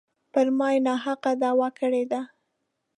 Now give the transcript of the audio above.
پر ما یې ناحقه دعوه کړې ده.